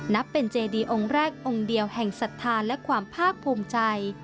นับเป็นเจดีองค์แรกองค์เดียวแห่งศรัทธาและความภาคภูมิใจ